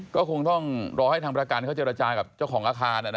ก็คงต้องรอให้ทางประการเขาจะระจายกับเจ้าของอาคารน่ะนะ